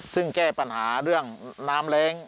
ซึ่งแก้ปัญหาเรื่องน้ำแรง